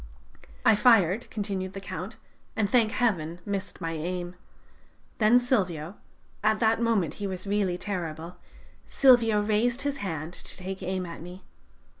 "I fired," continued the Count, "and, thank Heaven, missed my aim. Then Silvio ... at that moment he was really terrible ... Silvio raised his hand to take aim at me.